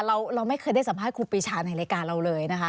เราไม่เคยได้สัมภาษณ์ครูปีชาในรายการเราเลยนะคะ